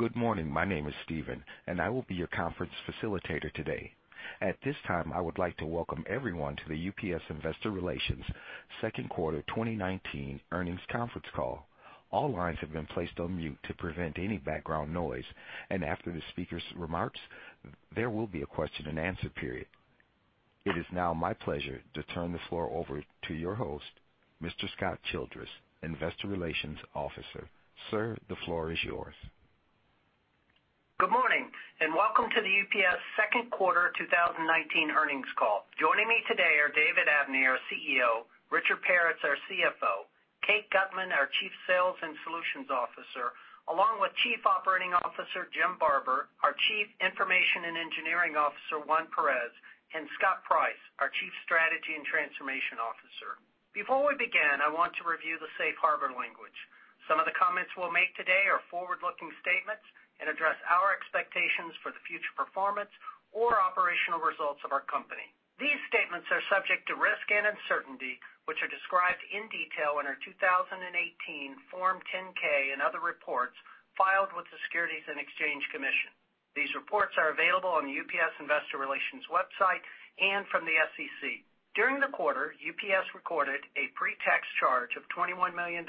Good morning. My name is Steven, and I will be your conference facilitator today. At this time, I would like to welcome everyone to the UPS Investor Relations second quarter 2019 earnings conference call. All lines have been placed on mute to prevent any background noise, and after the speaker's remarks, there will be a question and answer period. It is now my pleasure to turn the floor over to your host, Mr. Scott Childress, Investor Relations Officer. Sir, the floor is yours. Good morning, and welcome to the UPS second quarter 2019 earnings call. Joining me today are David Abney, our CEO, Richard Peretz, our CFO, Kate Gutmann, our Chief Sales and Solutions Officer, along with Chief Operating Officer Jim Barber, our Chief Information and Engineering Officer Juan Perez, and Scott Price, our Chief Strategy and Transformation Officer. Before we begin, I want to review the safe harbor language. Some of the comments we'll make today are forward-looking statements and address our expectations for the future performance or operational results of our company. These statements are subject to risk and uncertainty, which are described in detail in our 2018 Form 10-K and other reports filed with the Securities and Exchange Commission. These reports are available on the UPS Investor Relations website and from the SEC. During the quarter, UPS recorded a pre-tax charge of $21 million,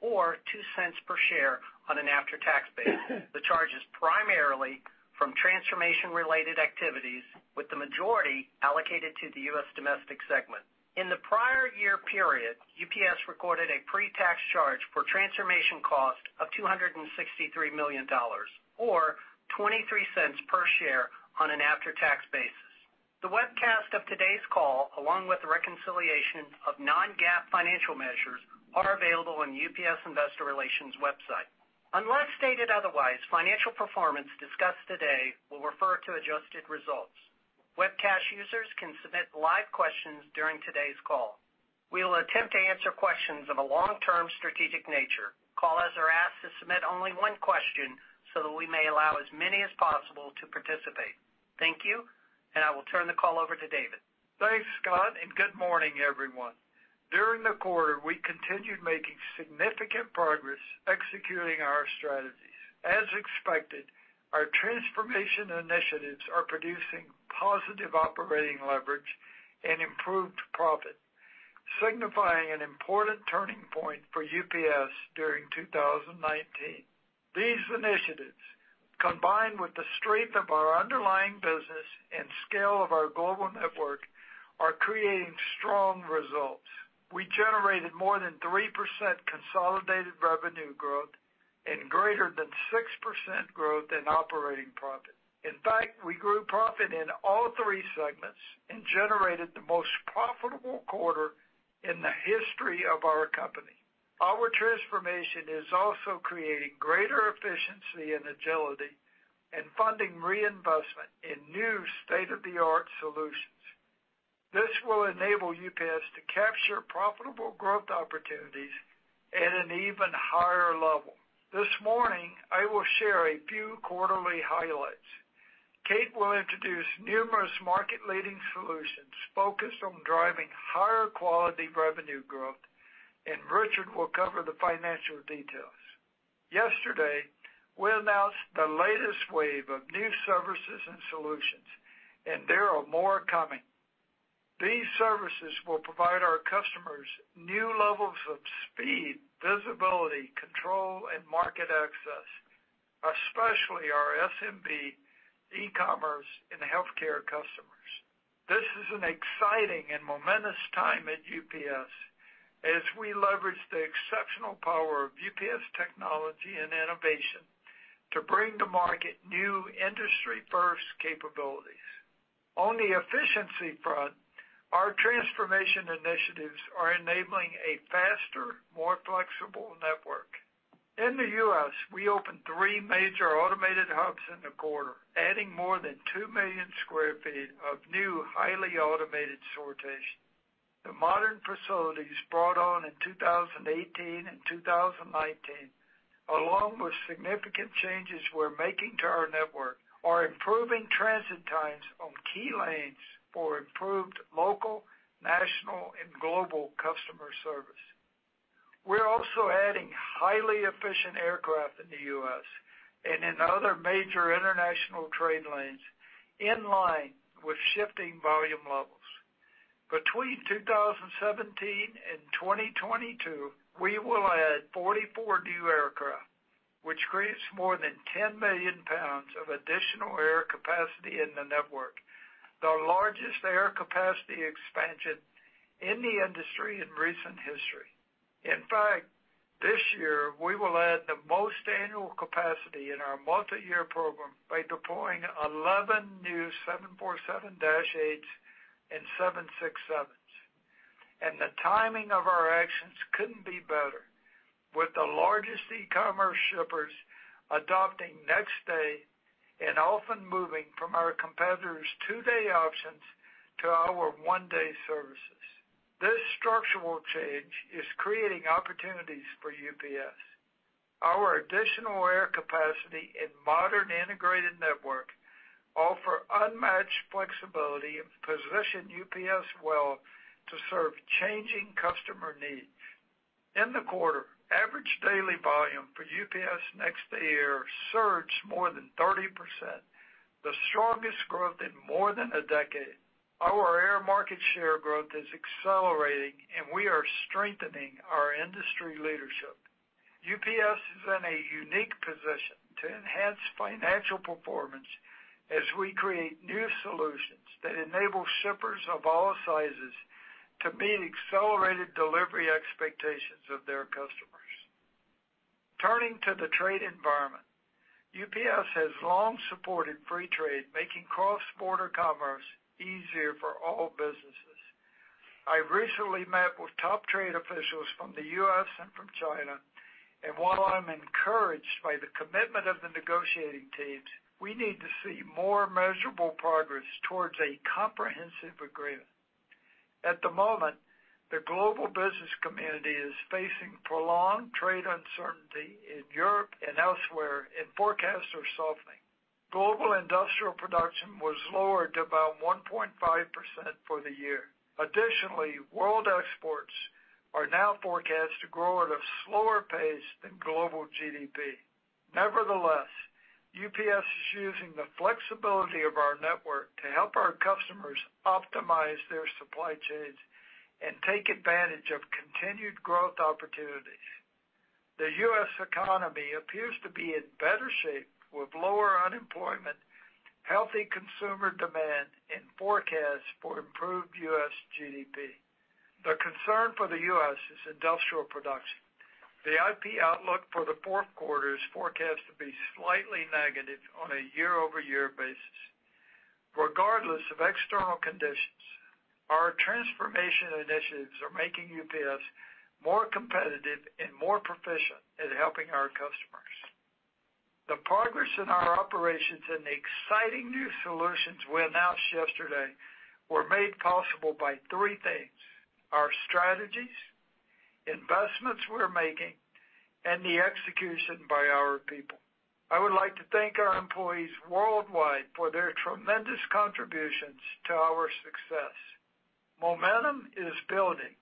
or $0.02 per share on an after-tax basis. The charge is primarily from transformation-related activities, with the majority allocated to the U.S. domestic segment. In the prior year period, UPS recorded a pre-tax charge for transformation cost of $263 million, or $0.23 per share on an after-tax basis. The webcast of today's call, along with the reconciliation of non-GAAP financial measures, are available on the UPS Investor Relations website. Unless stated otherwise, financial performance discussed today will refer to adjusted results. Webcast users can submit live questions during today's call. We will attempt to answer questions of a long-term strategic nature. Callers are asked to submit only one question so that we may allow as many as possible to participate. Thank you, and I will turn the call over to David. Thanks, Scott, and good morning, everyone. During the quarter, we continued making significant progress executing our strategies. As expected, our transformation initiatives are producing positive operating leverage and improved profit, signifying an important turning point for UPS during 2019. These initiatives, combined with the strength of our underlying business and scale of our global network, are creating strong results. We generated more than 3% consolidated revenue growth and greater than 6% growth in operating profit. In fact, we grew profit in all 3 segments and generated the most profitable quarter in the history of our company. Our transformation is also creating greater efficiency and agility and funding reinvestment in new state-of-the-art solutions. This will enable UPS to capture profitable growth opportunities at an even higher level. This morning, I will share a few quarterly highlights. Kate will introduce numerous market-leading solutions focused on driving higher quality revenue growth, and Richard will cover the financial details. Yesterday, we announced the latest wave of new services and solutions, and there are more coming. These services will provide our customers new levels of speed, visibility, control, and market access, especially our SMB, e-commerce, and healthcare customers. This is an exciting and momentous time at UPS as we leverage the exceptional power of UPS technology and innovation to bring to market new industry-first capabilities. On the efficiency front, our transformation initiatives are enabling a faster, more flexible network. In the U.S., we opened three major automated hubs in the quarter, adding more than 2 million square feet of new, highly automated sortation. The modern facilities brought on in 2018 and 2019, along with significant changes we're making to our network, are improving transit times on key lanes for improved local, national, and global customer service. We're also adding highly efficient aircraft in the U.S. and in other major international trade lanes in line with shifting volume levels. Between 2017 and 2022, we will add 44 new aircraft, which creates more than 10 million pounds of additional air capacity in the network, the largest air capacity expansion in the industry in recent history. In fact, this year, we will add the most annual capacity in our multi-year program by deploying 11 new 747-8s and 767s. The timing of our actions couldn't be better, with the largest e-commerce shippers adopting next day and often moving from our competitors' two-day options to our one-day services. This structural change is creating opportunities for UPS. Our additional air capacity and modern integrated networkOur unmatched flexibility has positioned UPS well to serve changing customer needs. In the quarter, average daily volume for UPS Next Day Air surged more than 30%, the strongest growth in more than a decade. Our air market share growth is accelerating, and we are strengthening our industry leadership. UPS is in a unique position to enhance financial performance as we create new solutions that enable shippers of all sizes to meet accelerated delivery expectations of their customers. Turning to the trade environment, UPS has long supported free trade, making cross-border commerce easier for all businesses. I recently met with top trade officials from the U.S. and from China, and while I'm encouraged by the commitment of the negotiating teams, we need to see more measurable progress towards a comprehensive agreement. At the moment, the global business community is facing prolonged trade uncertainty in Europe and elsewhere, and forecasts are softening. Global industrial production was lowered to about 1.5% for the year. Additionally, world exports are now forecast to grow at a slower pace than global GDP. Nevertheless, UPS is using the flexibility of our network to help our customers optimize their supply chains and take advantage of continued growth opportunities. The U.S. economy appears to be in better shape with lower unemployment, healthy consumer demand, and forecasts for improved U.S. GDP. The concern for the U.S. is industrial production. The IP outlook for the fourth quarter is forecast to be slightly negative on a year-over-year basis. Regardless of external conditions, our transformation initiatives are making UPS more competitive and more proficient at helping our customers. The progress in our operations and the exciting new solutions we announced yesterday were made possible by three things: Our strategies, investments we're making, and the execution by our people. I would like to thank our employees worldwide for their tremendous contributions to our success. Momentum is building.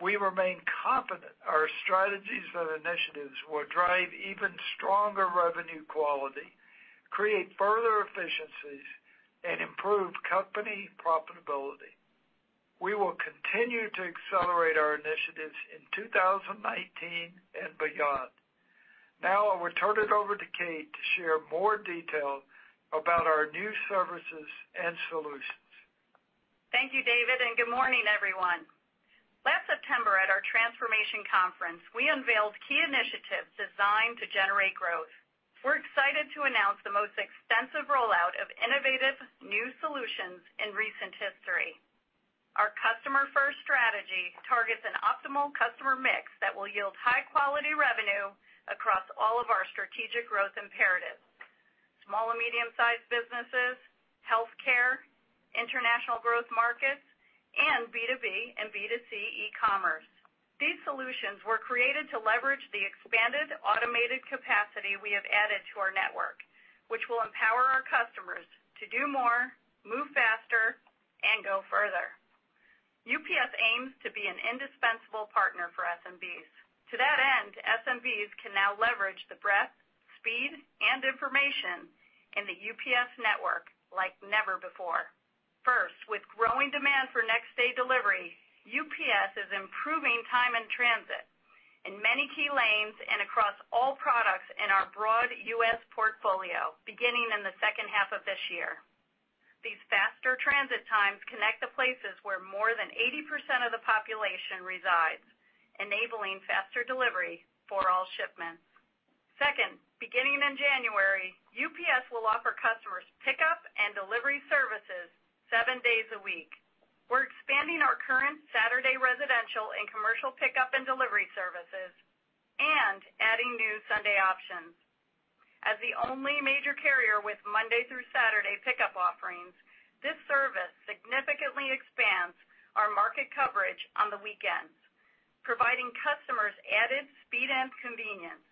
We remain confident our strategies and initiatives will drive even stronger revenue quality, create further efficiencies, and improve company profitability. We will continue to accelerate our initiatives in 2019 and beyond. Now, I will turn it over to Kate to share more detail about our new services and solutions. Thank you, David, good morning, everyone. Last September at our transformation conference, we unveiled key initiatives designed to generate growth. We're excited to announce the most extensive rollout of innovative new solutions in recent history. Our customer-first strategy targets an optimal customer mix that will yield high-quality revenue across all of our strategic growth imperatives, small and medium-sized businesses, healthcare, international growth markets, and B2B and B2C e-commerce. These solutions were created to leverage the expanded automated capacity we have added to our network, which will empower our customers to do more, move faster, and go further. UPS aims to be an indispensable partner for SMBs. To that end, SMBs can now leverage the breadth, speed, and information in the UPS network like never before. First, with growing demand for next-day delivery, UPS is improving time and transit in many key lanes and across all products in our broad U.S. portfolio, beginning in the second half of this year. These faster transit times connect to places where more than 80% of the population resides, enabling faster delivery for all shipments. Second, beginning in January, UPS will offer customers pickup and delivery services seven days a week. We're expanding our current Saturday residential and commercial pickup and delivery services and adding new Sunday options. As the only major carrier with Monday through Saturday pickup offerings, this service significantly expands our market coverage on the weekends, providing customers added speed and convenience.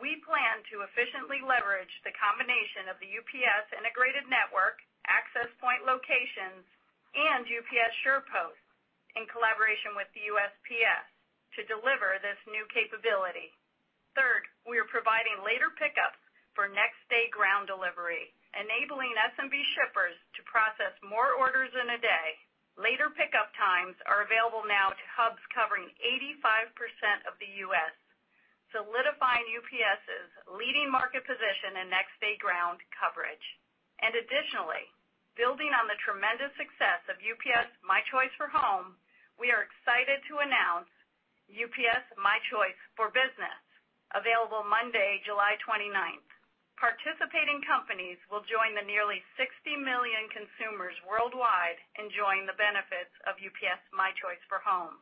We plan to efficiently leverage the combination of the UPS integrated network, Access Point locations, and UPS SurePost in collaboration with the USPS to deliver this new capability. Third, we are providing later pickups for next-day ground delivery, enabling SMB shippers to process more orders in a day. Later pickup times are available now to hubs covering 85% of the U.S., solidifying UPS's leading market position in next-day ground coverage. Additionally, building on the tremendous success of UPS My Choice for Home, we are excited to announce UPS My Choice for Business, available Monday, July 29th. Participating companies will join the nearly 60 million consumers worldwide enjoying the benefits of UPS My Choice for Home.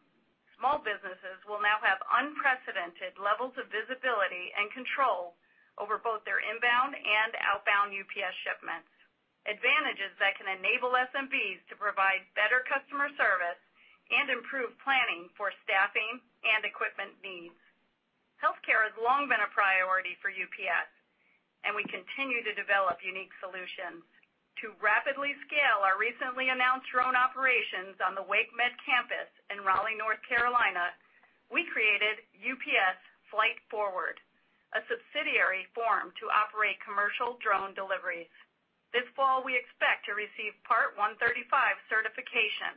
Small businesses will now have unprecedented levels of visibility and control over both their inbound and outbound UPS shipments, advantages that can enable SMBs to provide better customer service and improve planning for staffing and equipment needs. Has long been a priority for UPS, and we continue to develop unique solutions. To rapidly scale our recently announced drone operations on the WakeMed campus in Raleigh, North Carolina, we created UPS Flight Forward, a subsidiary formed to operate commercial drone deliveries. This fall, we expect to receive Part 135 certification,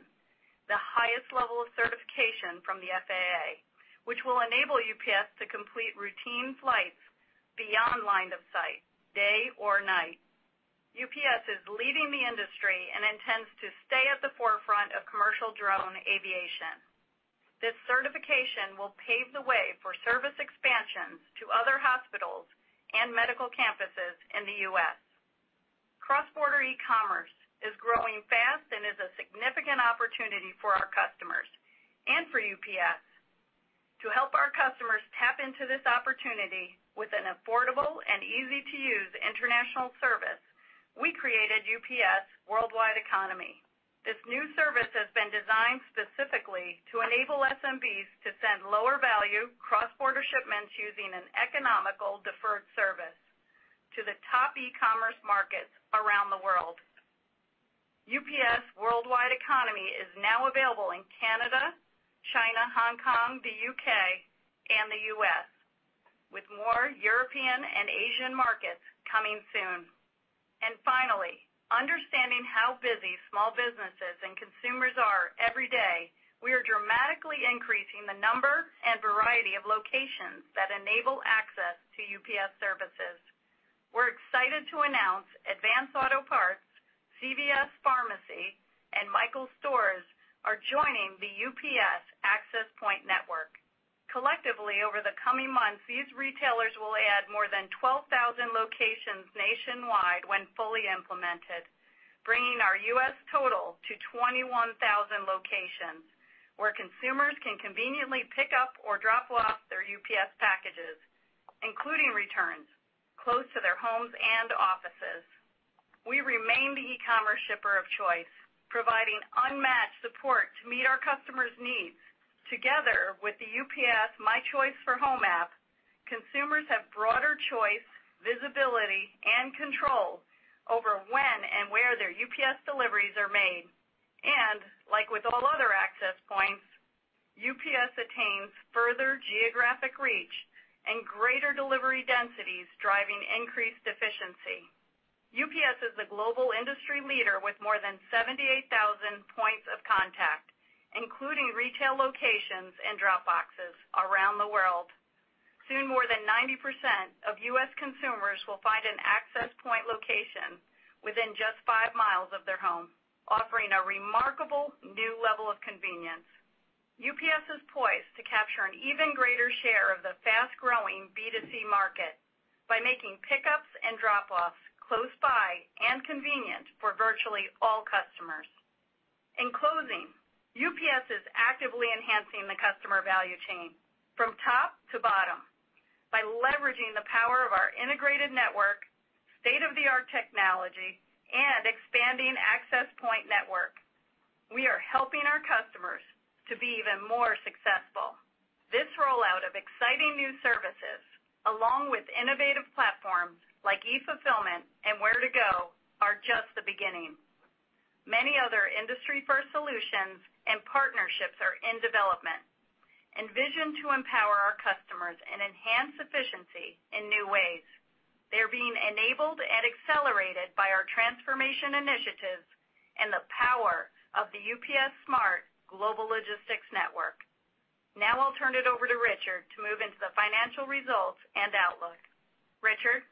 the highest level of certification from the FAA, which will enable UPS to complete routine flights beyond line of sight, day or night. UPS is leading the industry and intends to stay at the forefront of commercial drone aviation. This certification will pave the way for service expansions to other hospitals and medical campuses in the U.S. Cross-border e-commerce is growing fast and is a significant opportunity for our customers and for UPS. To help our customers tap into this opportunity with an affordable and easy-to-use international service, we created UPS Worldwide Economy. This new service has been designed specifically to enable SMBs to send lower value cross-border shipments using an economical deferred service to the top e-commerce markets around the world. UPS Worldwide Economy is now available in Canada, China, Hong Kong, the U.K., and the U.S., with more European and Asian markets coming soon. Finally, understanding how busy small businesses and consumers are every day, we are dramatically increasing the number and variety of locations that enable access to UPS services. We're excited to announce Advance Auto Parts, CVS Pharmacy, and Michaels Stores are joining the UPS Access Point network. Collectively, over the coming months, these retailers will add more than 12,000 locations nationwide when fully implemented, bringing our U.S. total to 21,000 locations where consumers can conveniently pick up or drop off their UPS packages, including returns, close to their homes and offices. We remain the e-commerce shipper of choice, providing unmatched support to meet our customers' needs. Together with the UPS My Choice for Home app, consumers have broader choice, visibility, and control over when and where their UPS deliveries are made. Like with all other access points, UPS attains further geographic reach and greater delivery densities, driving increased efficiency. UPS is a global industry leader with more than 78,000 points of contact, including retail locations and drop boxes around the world. Soon, more than 90% of U.S. consumers will find an access point location within just five miles of their home, offering a remarkable new level of convenience. UPS is poised to capture an even greater share of the fast-growing B2C market by making pickups and drop-offs close by and convenient for virtually all customers. In closing, UPS is actively enhancing the customer value chain from top to bottom. By leveraging the power of our integrated network, state-of-the-art technology, and expanding Access Point network, we are helping our customers to be even more successful. This rollout of exciting new services, along with innovative platforms like eFulfillment and Ware2Go, are just the beginning. Many other industry-first solutions and partnerships are in development, envisioned to empower our customers and enhance efficiency in new ways. They're being enabled and accelerated by our transformation initiatives and the power of the UPS Smart Global Logistics Network. I'll turn it over to Richard to move into the financial results and outlook. Richard?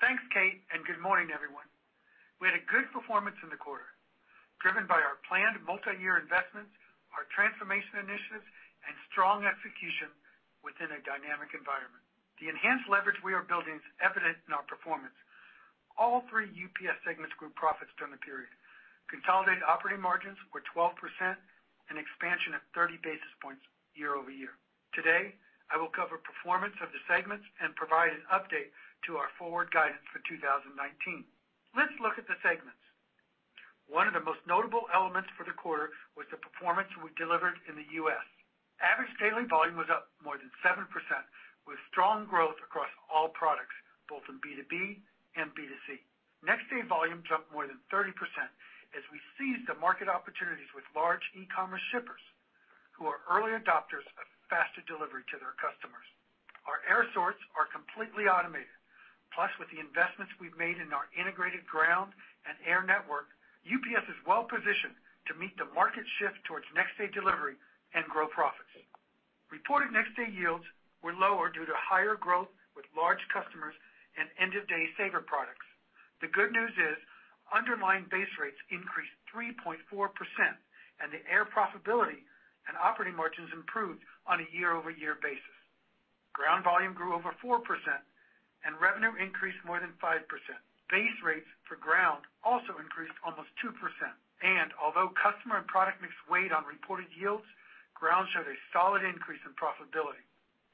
Thanks, Kate, and good morning, everyone. We had a good performance in the quarter, driven by our planned multi-year investments, our transformation initiatives, and strong execution within a dynamic environment. The enhanced leverage we are building is evident in our performance. All three UPS segments grew profits during the period. Consolidated operating margins were 12%, an expansion of 30 basis points year-over-year. Today, I will cover performance of the segments and provide an update to our forward guidance for 2019. Let's look at the segments. One of the most notable elements for the quarter was the performance we delivered in the U.S. Average daily volume was up more than 7%, with strong growth across all products, both in B2B and B2C. Next-day volume jumped more than 30% as we seized the market opportunities with large e-commerce shippers who are early adopters of faster delivery to their customers. Our air sorts are completely automated. Plus, with the investments we've made in our integrated ground and air network, UPS is well-positioned to meet the market shift towards next-day delivery and grow profits. Reported next-day yields were lower due to higher growth with large customers and end-of-day saver products. The good news is underlying base rates increased 3.4% and the air profitability and operating margins improved on a year-over-year basis. Ground volume grew over 4% and revenue increased more than 5%. Base rates for ground also increased almost 2%. Although customer and product mix weighed on reported yields, ground showed a solid increase in profitability.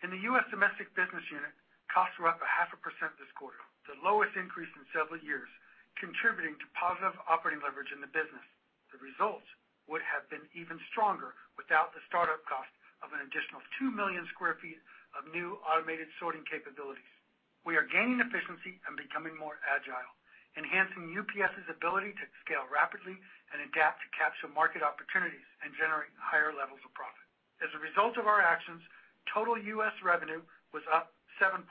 In the U.S. domestic business unit, costs were up a half a percent. This quarter, the lowest increase in several years, contributing to positive operating leverage in the business. The results would have been even stronger without the startup cost of an additional 2 million sq ft of new automated sorting capabilities. We are gaining efficiency and becoming more agile, enhancing UPS's ability to scale rapidly and adapt to capture market opportunities and generate higher levels of profit. As a result of our actions, total U.S. revenue was up 7.7%,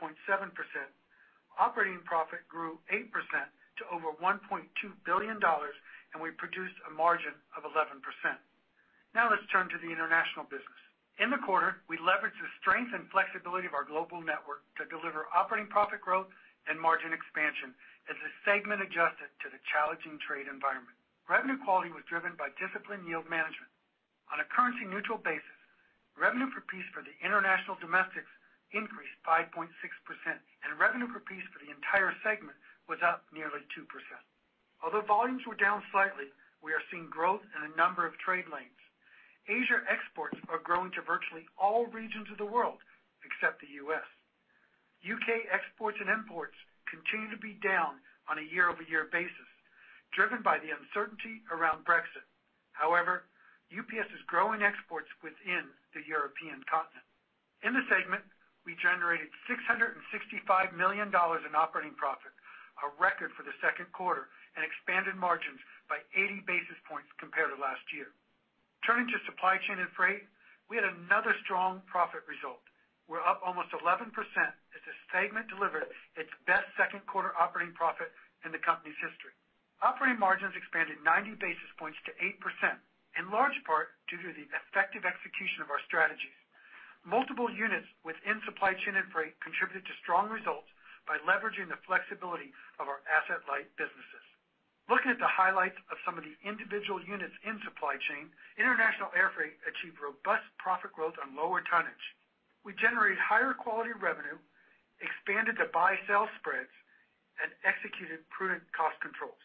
operating profit grew 8% to over $1.2 billion, and we produced a margin of 11%. Let's turn to the international business. In the quarter, we leveraged the strength and flexibility of our global network to deliver operating profit growth and margin expansion as the segment adjusted to the challenging trade environment. Revenue quality was driven by disciplined yield management. On a currency-neutral basis, revenue per piece for the international domestics increased 5.6%, and revenue per piece for the entire segment was up nearly 2%. Although volumes were down slightly, we are seeing growth in a number of trade lanes. Asia exports are growing to virtually all regions of the world except the U.S. U.K. exports and imports continue to be down on a year-over-year basis, driven by the uncertainty around Brexit. UPS is growing exports within the European continent. In the segment, we generated $665 million in operating profit, a record for the second quarter, and expanded margins by 80 basis points compared to last year. Turning to supply chain and freight, we had another strong profit result. We're up almost 11% as the segment delivered its best second quarter operating profit in the company's history. Operating margins expanded 90 basis points to 8%, in large part due to the effective execution of our strategies. Multiple units within supply chain and freight contributed to strong results by leveraging the flexibility of our asset-light businesses. Looking at the highlights of some of the individual units in supply chain, international airfreight achieved robust profit growth on lower tonnage. We generated higher quality revenue, expanded the buy-sell spreads, and executed prudent cost controls.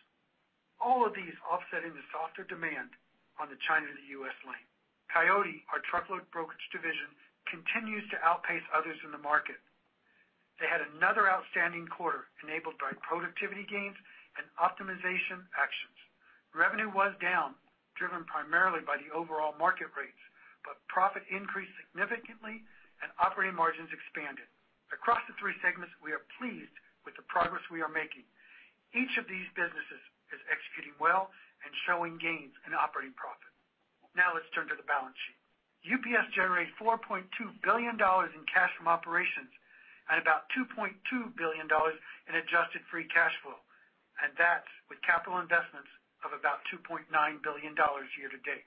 All of these offsetting the softer demand on the China to the U.S. lane. Coyote, our truckload brokerage division, continues to outpace others in the market. They had another outstanding quarter enabled by productivity gains and optimization actions. Revenue was down, driven primarily by the overall market rates, but profit increased significantly and operating margins expanded. Across the three segments, we are pleased with the progress we are making. Each of these businesses is executing well and showing gains in operating profit. Now let's turn to the balance sheet. UPS generated $4.2 billion in cash from operations and about $2.2 billion in adjusted free cash flow, and that's with capital investments of about $2.9 billion year to date.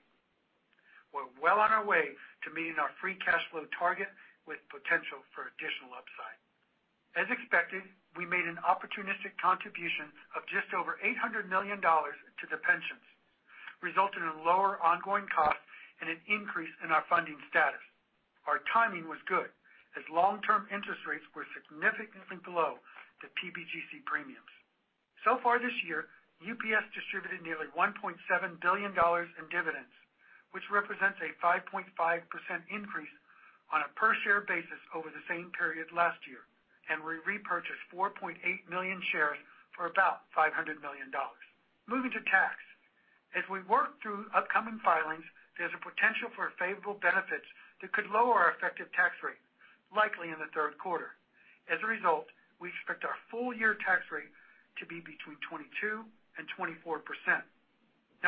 We're well on our way to meeting our free cash flow target with potential for additional upside. As expected, we made an opportunistic contribution of just over $800 million to the pensions, resulting in lower ongoing costs and an increase in our funding status. Our timing was good, as long-term interest rates were significantly below the PBGC premiums. Far this year, UPS distributed nearly $1.7 billion in dividends, which represents a 5.5% increase on a per-share basis over the same period last year, and we repurchased 4.8 million shares for about $500 million. Moving to tax. As we work through upcoming filings, there's a potential for favorable benefits that could lower our effective tax rate, likely in the third quarter. As a result, we expect our full-year tax rate to be between 22% and 24%.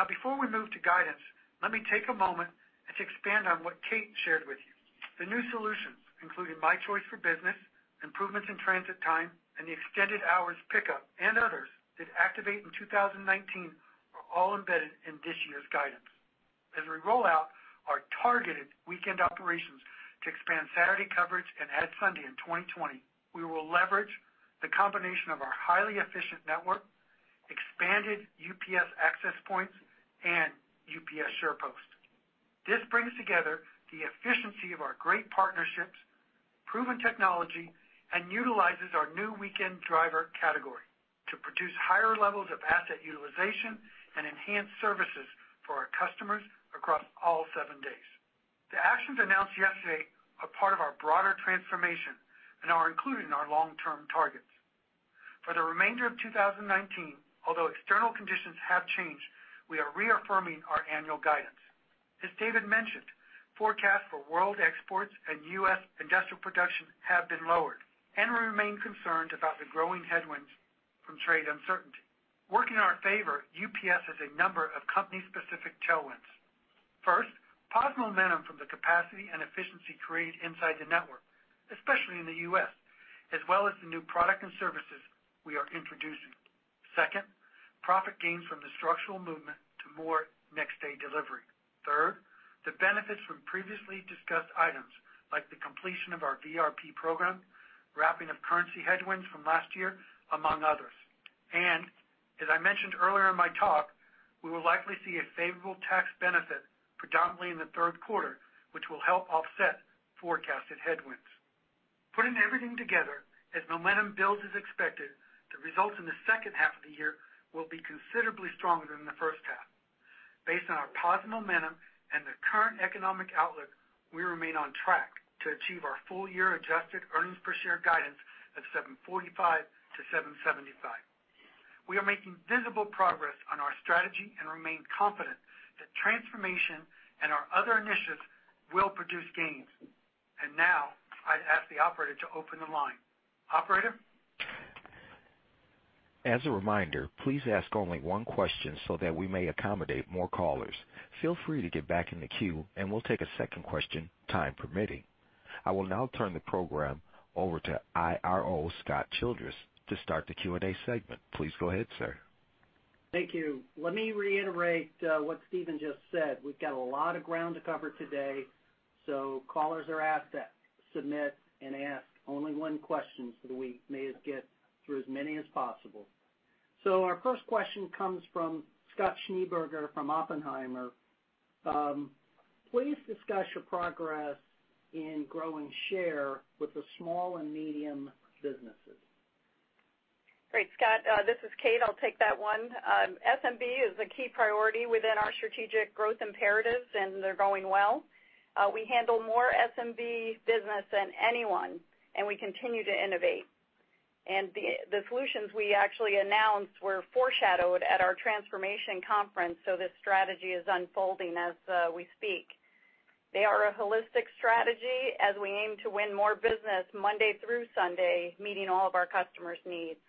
Before we move to guidance, let me take a moment to expand on what Kate shared with you. The new solutions, including UPS My Choice for business, improvements in transit time, and the extended hours pickup, and others that activate in 2019, are all embedded in this year's guidance. As we roll out our targeted weekend operations to expand Saturday coverage and add Sunday in 2020, we will leverage the combination of our highly efficient network, expanded UPS Access Points, and UPS SurePost. This brings together the efficiency of our great partnerships, proven technology, and utilizes our new weekend driver category to produce higher levels of asset utilization and enhance services for our customers across all seven days. The actions announced yesterday are part of our broader transformation and are included in our long-term targets. For the remainder of 2019, although external conditions have changed, we are reaffirming our annual guidance. As David mentioned, forecasts for world exports and U.S. industrial production have been lowered. We remain concerned about the growing headwinds from trade uncertainty. Working in our favor, UPS has a number of company-specific tailwinds. First, positive momentum from the capacity and efficiency created inside the network, especially in the U.S., as well as the new product and services we are introducing. Second, profit gains from the structural movement to more next-day delivery. Third, the benefits from previously discussed items like the completion of our VRP program, wrapping of currency headwinds from last year, among others. As I mentioned earlier in my talk, we will likely see a favorable tax benefit predominantly in the third quarter, which will help offset forecasted headwinds. Putting everything together, as momentum builds as expected, the results in the second half of the year will be considerably stronger than the first half. Based on our positive momentum and the current economic outlook, we remain on track to achieve our full year adjusted earnings per share guidance of $7.45-$7.75. We are making visible progress on our strategy and remain confident that transformation and our other initiatives will produce gains. Now I'd ask the operator to open the line. Operator? As a reminder, please ask only one question so that we may accommodate more callers. Feel free to get back in the queue and we'll take a second question, time permitting. I will now turn the program over to IRO, Scott Childress, to start the Q&A segment. Please go ahead, sir. Thank you. Let me reiterate what Steven just said. We've got a lot of ground to cover today, so callers are asked to submit and ask only one question so that we may get through as many as possible. Our first question comes from Scott Schneeberger from Oppenheimer. Please discuss your progress in growing share with the small and medium businesses. Great, Scott. This is Kate. I'll take that one. SMB is a key priority within our strategic growth imperatives, and they're going well. We handle more SMB business than anyone, and we continue to innovate. The solutions we actually announced were foreshadowed at our transformation conference, so this strategy is unfolding as we speak. They are a holistic strategy as we aim to win more business Monday through Sunday, meeting all of our customers' needs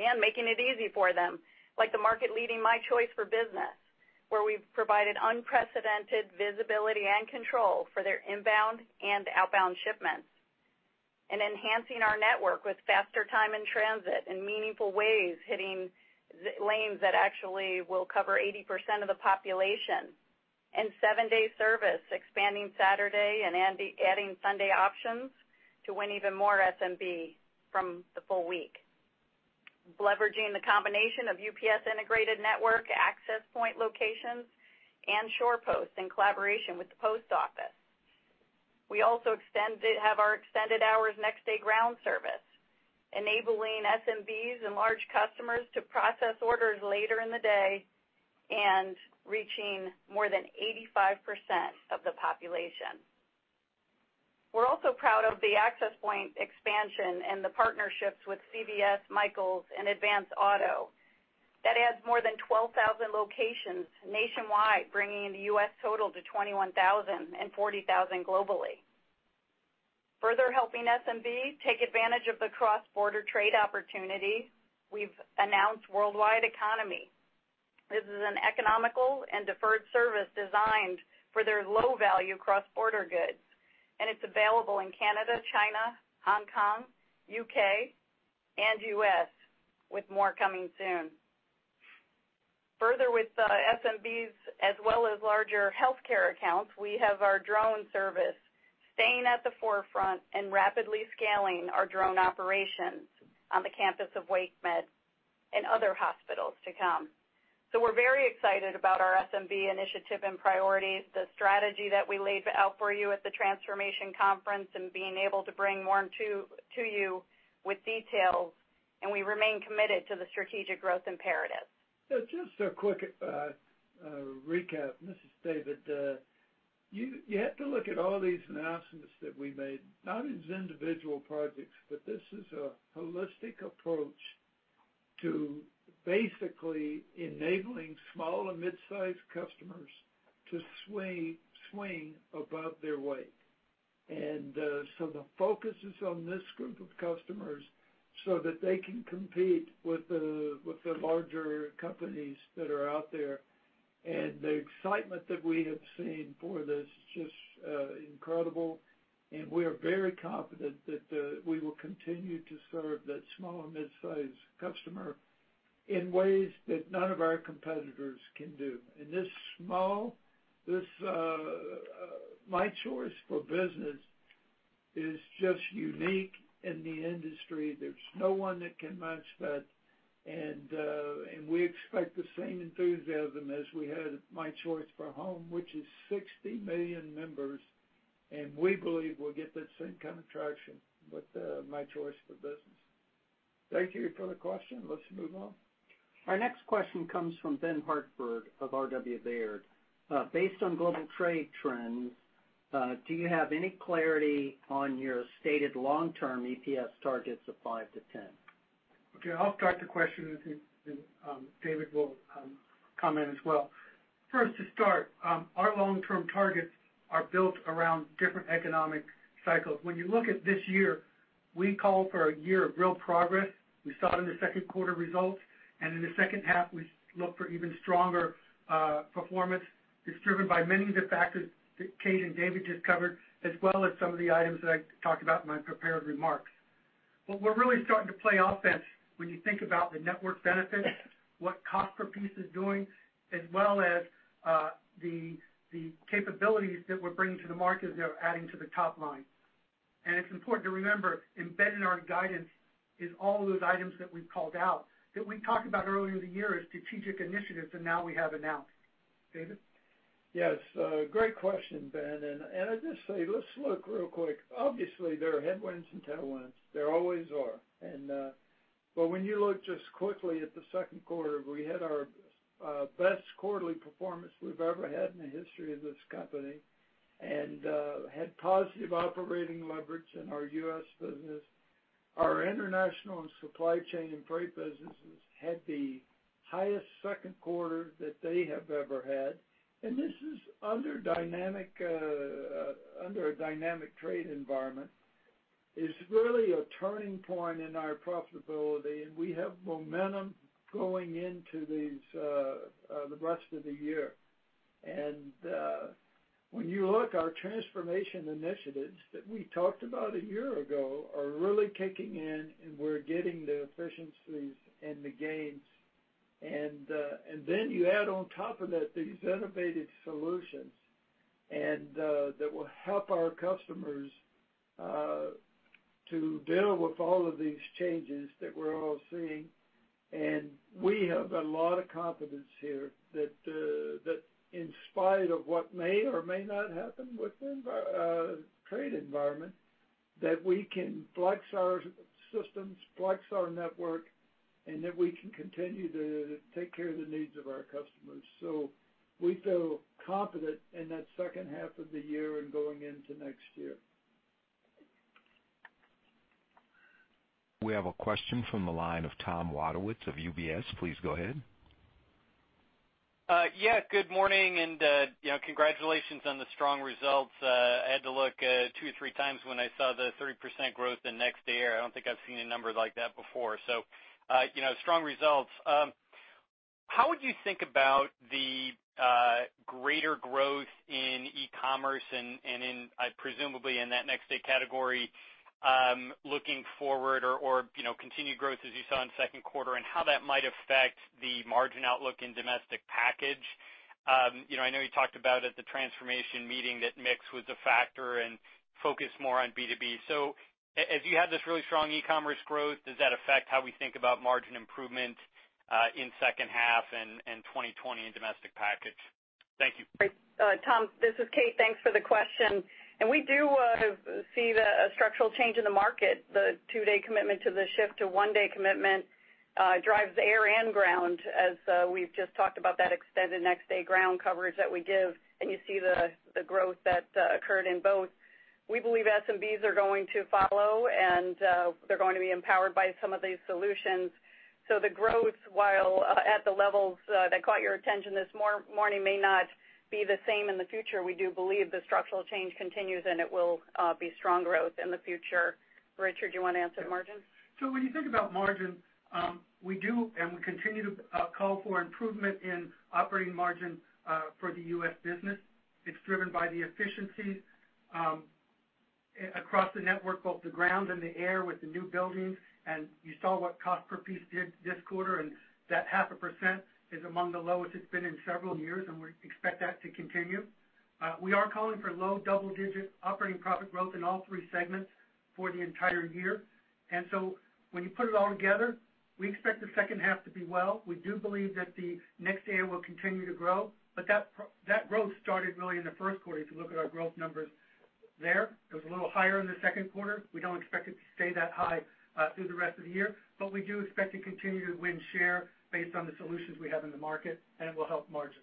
and making it easy for them, like the market leading UPS My Choice for business, where we've provided unprecedented visibility and control for their inbound and outbound shipments. Enhancing our network with faster time in transit in meaningful ways, hitting lanes that actually will cover 80% of the population, and 7-day service, expanding Saturday and adding Sunday options to win even more SMB from the full week. Leveraging the combination of UPS Access Point locations and SurePost in collaboration with the post office. We also have our extended hours next day ground service, enabling SMBs and large customers to process orders later in the day and reaching more than 85% of the population. We're also proud of the Access Point expansion and the partnerships with CVS, Michaels, and Advance Auto. That adds more than 12,000 locations nationwide, bringing the U.S. total to 21,000 and 40,000 globally. Further helping SMB take advantage of the cross-border trade opportunity, we've announced UPS Worldwide Economy. This is an economical and deferred service designed for their low-value cross-border goods, and it's available in Canada, China, Hong Kong, U.K., and U.S., with more coming soon. Further with SMBs as well as larger healthcare accounts, we have our drone service staying at the forefront and rapidly scaling our drone operations on the campus of WakeMed and other hospitals to come. We're very excited about our SMB initiative and priorities, the strategy that we laid out for you at the Transformation Conference and being able to bring more to you with details, and we remain committed to the strategic growth imperative. Just a quick recap. This is David. You have to look at all these announcements that we made not as individual projects, but this is a holistic approach to basically enabling small and mid-sized customers to swing above their weight. The focus is on this group of customers so that they can compete with the larger companies that are out there. The excitement that we have seen for this is just incredible, and we are very confident that we will continue to serve that small and mid-sized customer in ways that none of our competitors can do. This My Choice for business is just unique in the industry. There's no one that can match that, and we expect the same enthusiasm as we had with UPS My Choice for home, which is 60 million members, and we believe we'll get that same kind of traction with UPS My Choice for business. Thank you for the question. Let's move on. Our next question comes from Ben Hartford of R.W. Baird. Based on global trade trends, do you have any clarity on your stated long-term EPS targets of 5%-10%? Okay, I'll start the question, and David will comment as well. First to start, our long-term targets are built around different economic cycles. When you look at this year, we call for a year of real progress. We saw it in the second quarter results, and in the second half, we look for even stronger performance. It's driven by many of the factors that Kate and David just covered, as well as some of the items that I talked about in my prepared remarks. We're really starting to play offense when you think about the network benefits, what cost per piece is doing, as well as the capabilities that we're bringing to the market as they're adding to the top line. It's important to remember, embedded in our guidance is all of those items that we've called out that we talked about earlier in the year as strategic initiatives and now we have announced. David? Yes. Great question, Ben. I just say, let's look real quick. Obviously, there are headwinds and tailwinds. There always are. When you look just quickly at the second quarter, we had our best quarterly performance we've ever had in the history of this company, and had positive operating leverage in our U.S. business. Our international and supply chain and freight businesses had the highest second quarter that they have ever had. This is under a dynamic trade environment. It's really a turning point in our profitability, and we have momentum going into the rest of the year. When you look, our transformation initiatives that we talked about a year ago are really kicking in, and we're getting the efficiencies and the gains. You add on top of that, these innovative solutions that will help our customers to deal with all of these changes that we're all seeing. We have a lot of confidence here that in spite of what may or may not happen with the trade environment, that we can flex our systems, flex our network, and that we can continue to take care of the needs of our customers. We feel confident in that second half of the year and going into next year. We have a question from the line of Tom Wadewitz of UBS. Please go ahead. Yeah, good morning. Congratulations on the strong results. I had to look two or three times when I saw the 30% growth in Next Day Air. I don't think I've seen a number like that before. Strong results. How would you think about the greater growth in e-commerce and in, presumably, in that Next Day category, looking forward or continued growth as you saw in the second quarter, and how that might affect the margin outlook in Domestic Package? I know you talked about at the transformation meeting that mix was a factor and focus more on B2B. As you have this really strong e-commerce growth, does that affect how we think about margin improvement in second half and 2020 in Domestic Package? Thank you. Great. Tom, this is Kate. Thanks for the question. We do see the structural change in the market. The two-day commitment to the shift to one-day commitment drives air and ground, as we've just talked about that extended next day ground coverage that we give, and you see the growth that occurred in both. We believe SMBs are going to follow, and they're going to be empowered by some of these solutions. The growth, while at the levels that caught your attention this morning may not be the same in the future, we do believe the structural change continues, and it will be strong growth in the future. Richard, do you want to answer the margin? When you think about margin, we do and we continue to call for improvement in operating margin for the U.S. business. It's driven by the efficiencies across the network, both the ground and the air with the new buildings. You saw what cost per piece did this quarter, and that half a percent is among the lowest it's been in several years, and we expect that to continue. We are calling for low double-digit operating profit growth in all three segments for the entire year. When you put it all together, we expect the second half to be well. We do believe that the next air will continue to grow. That growth started really in the first quarter, if you look at our growth numbers there. It was a little higher in the second quarter. We don't expect it to stay that high through the rest of the year. We do expect to continue to win share based on the solutions we have in the market, and it will help margins.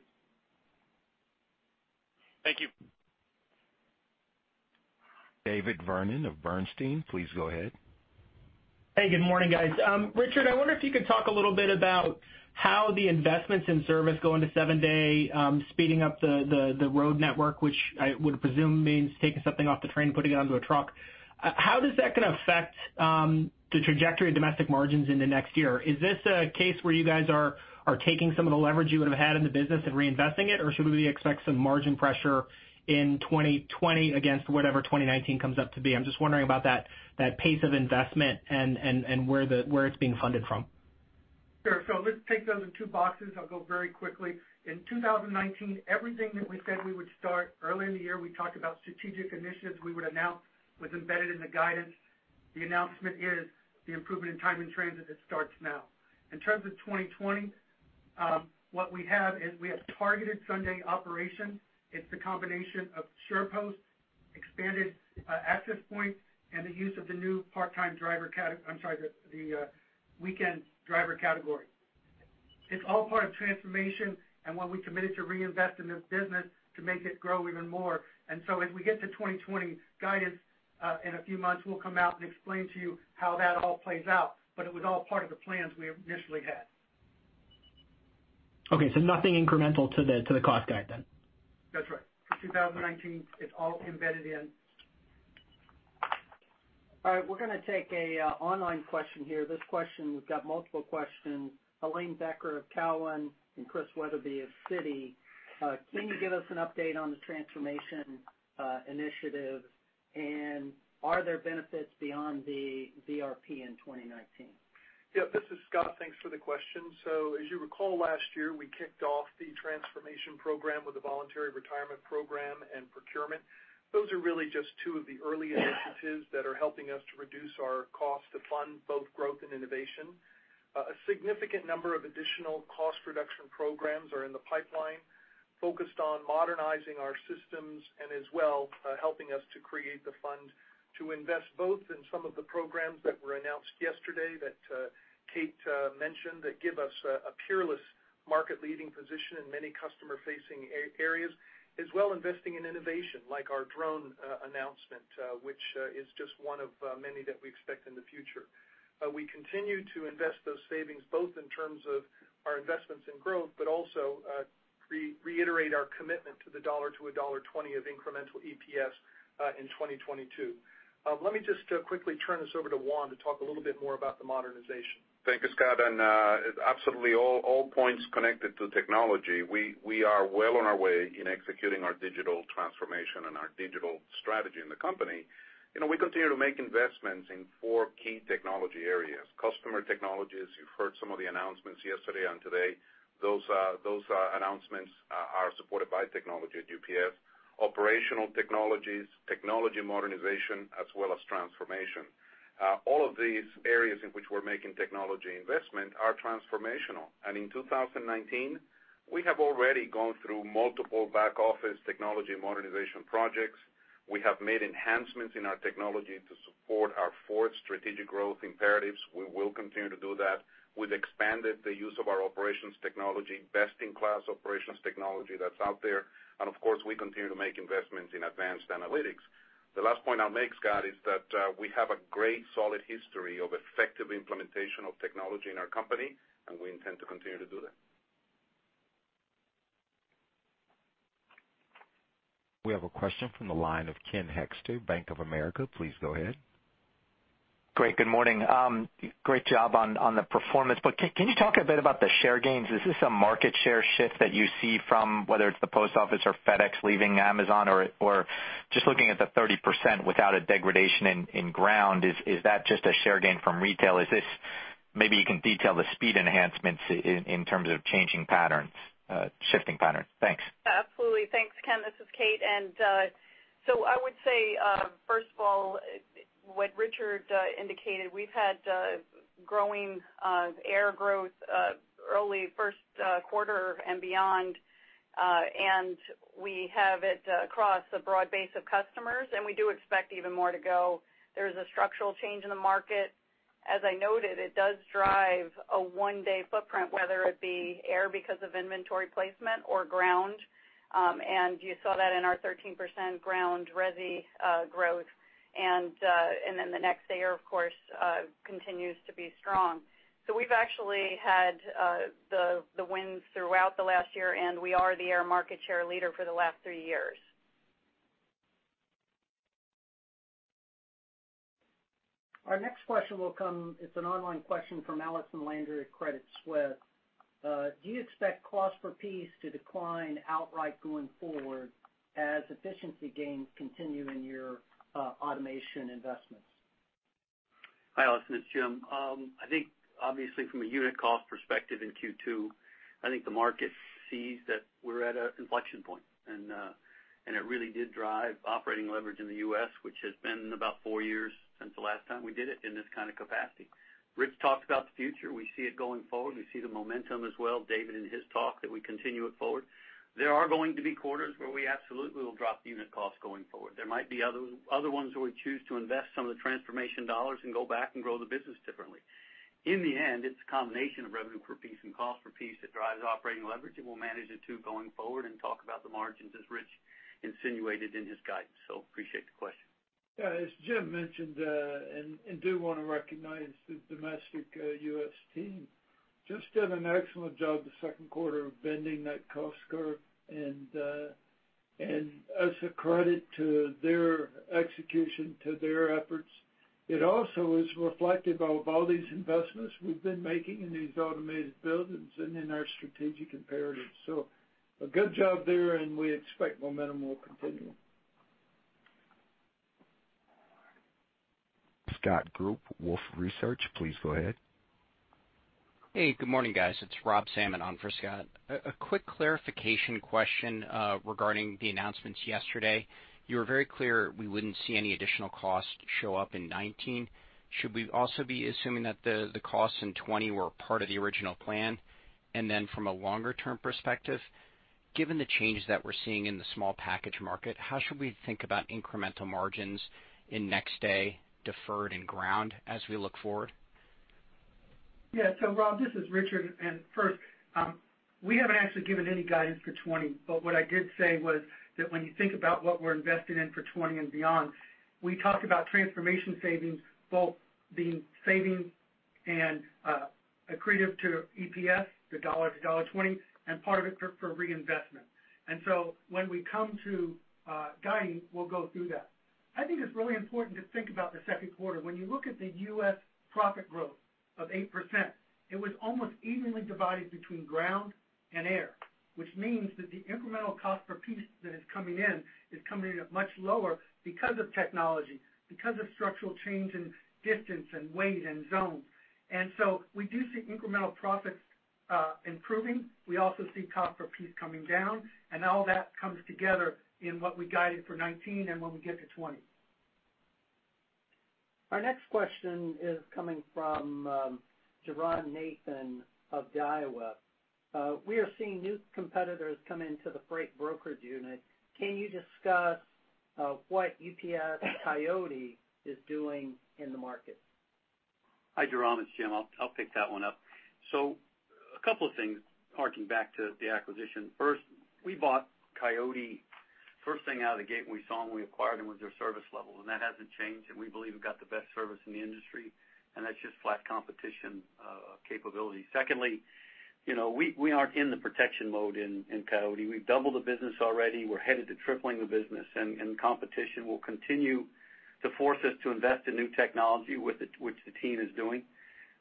Thank you. David Vernon of Bernstein, please go ahead. Hey, good morning, guys. Richard, I wonder if you could talk a little bit about how the investments in service going to seven day, speeding up the road network, which I would presume means taking something off the train, putting it onto a truck. How is that going to affect the trajectory of domestic margins into next year? Is this a case where you guys are taking some of the leverage you would have had in the business and reinvesting it? Should we expect some margin pressure in 2020 against whatever 2019 comes up to be? I'm just wondering about that pace of investment and where it's being funded from. Sure. Let's take those in two boxes. I'll go very quickly. In 2019, everything that we said we would start early in the year, we talked about strategic initiatives we would announce was embedded in the guidance. The announcement is the improvement in time and transit that starts now. In terms of 2020, what we have is we have targeted Sunday operation. It's the combination of SurePost, expanded Access Points, and the use of the new weekend driver category. It's all part of transformation and what we committed to reinvest in this business to make it grow even more. As we get to 2020 guidance, in a few months, we'll come out and explain to you how that all plays out. It was all part of the plans we initially had. Okay, nothing incremental to the cost guide then? That's right. For 2019, it's all embedded in. All right. We're going to take an online question here. This question, we've got multiple questions. Helane Becker of Cowen and Chris Wetherbee of Citi. Can you give us an update on the transformation initiative, and are there benefits beyond the VRP in 2019? Yeah, this is Scott. Thanks for the question. As you recall, last year, we kicked off the Transformation Program with a voluntary retirement program and procurement. Those are really just two of the early initiatives that are helping us to reduce our cost to fund both growth and innovation. A significant number of additional cost reduction programs are in the pipeline, focused on modernizing our systems and as well, helping us to create the fund to invest both in some of the programs that were announced yesterday that Kate mentioned that give us a peerless market-leading position in many customer-facing areas, as well investing in innovation like our drone announcement, which is just one of many that we expect in the future. We continue to invest those savings, both in terms of our investments in growth, but also reiterate our commitment to the dollar to $1.20 of incremental EPS in 2022. Let me just quickly turn this over to Juan to talk a little bit more about the modernization. Thank you, Scott. Absolutely all points connected to technology. We are well on our way in executing our digital transformation and our digital strategy in the company. We continue to make investments in four key technology areas. Customer technologies, you've heard some of the announcements yesterday and today. Those announcements are supported by technology at UPS. Operational technologies, technology modernization, as well as transformation. All of these areas in which we're making technology investment are transformational. In 2019, we have already gone through multiple back-office technology modernization projects. We have made enhancements in our technology to support our four strategic growth imperatives. We will continue to do that. We've expanded the use of our operations technology, best-in-class operations technology that's out there. Of course, we continue to make investments in advanced analytics. The last point I'll make, Scott, is that we have a great solid history of effective implementation of technology in our company, and we intend to continue to do that. We have a question from the line of Ken Hoexter, Bank of America. Please go ahead. Great. Good morning. Great job on the performance. Can you talk a bit about the share gains? Is this a market share shift that you see from whether it's the USPS or FedEx leaving Amazon, or just looking at the 30% without a degradation in Ground, is that just a share gain from Retail? Maybe you can detail the speed enhancements in terms of changing patterns, shifting patterns. Thanks. Absolutely. Thanks, Ken. This is Kate. I would say, first of all, what Richard indicated, we've had growing air growth early first quarter and beyond. We have it across a broad base of customers, and we do expect even more to go. There's a structural change in the market. As I noted, it does drive a one-day footprint, whether it be air because of inventory placement or ground. You saw that in our 13% ground resi growth. The next day, of course, continues to be strong. We've actually had the wins throughout the last year, and we are the air market share leader for the last three years. Our next question will come, it's an online question from Allison Landry at Credit Suisse. Do you expect cost per piece to decline outright going forward as efficiency gains continue in your automation investments? Hi, Allison. It's Jim. I think obviously from a unit cost perspective in Q2, I think the market sees that we're at an inflection point. It really did drive operating leverage in the U.S., which has been about four years since the last time we did it in this kind of capacity. Rich talked about the future. We see it going forward. We see the momentum as well, David in his talk, that we continue it forward. There are going to be quarters where we absolutely will drop unit cost going forward. There might be other ones where we choose to invest some of the transformation dollars and go back and grow the business differently. In the end, it's a combination of revenue per piece and cost per piece that drives operating leverage, and we'll manage the two going forward and talk about the margins as Rich insinuated in his guidance. Appreciate the question. Yeah, as Jim mentioned, do want to recognize the domestic U.S. team. Just did an excellent job the second quarter of bending that cost curve and as a credit to their execution, to their efforts. It also is reflective of all these investments we've been making in these automated buildings and in our strategic imperatives. A good job there, and we expect momentum will continue. Scott Group, Wolfe Research. Please go ahead. Hey, good morning, guys. It's Rob Salmon on for Scott. A quick clarification question regarding the announcements yesterday. You were very clear we wouldn't see any additional cost show up in 2019. Should we also be assuming that the costs in 2020 were part of the original plan? From a longer-term perspective, given the changes that we're seeing in the small package market, how should we think about incremental margins in next day, deferred, and ground as we look forward? Yeah. Rob Salmon, this is Richard Peretz. First, we haven't actually given any guidance for 2020. What I did say was that when you think about what we're investing in for 2020 and beyond, we talked about transformation savings both being savings and accretive to EPS, $1.00-$1.20, and part of it for reinvestment. When we come to guiding, we'll go through that. I think it's really important to think about the 2Q. When you look at the U.S. profit growth of 8%, it was almost evenly divided between ground and air, which means that the incremental cost per piece that is coming in is coming in at much lower because of technology, because of structural change in distance and weight and zone. We do see incremental profits improving. We also see cost per piece coming down, and all that comes together in what we guided for 2019 and when we get to 2020. Our next question is coming from Jairam Nathan of Daiwa. We are seeing new competitors come into the freight brokerage unit. Can you discuss what UPS Coyote is doing in the market? Hi, Jairam, it's Jim. I'll pick that one up. A couple of things harking back to the acquisition. First, we bought Coyote. First thing out of the gate when we saw them, we acquired them was their service level, and that hasn't changed, and we believe we've got the best service in the industry, and that's just flat competition capability. Secondly, we aren't in the protection mode in Coyote. We've doubled the business already. We're headed to tripling the business, and competition will continue to force us to invest in new technology, which the team is doing.